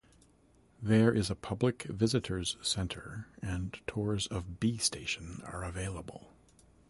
There is a public visitors centre and tours of 'B' station are available.